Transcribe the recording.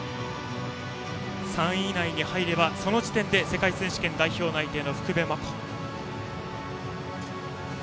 ３位以内に入ればその時点で世界選手権代表内定の福部真子。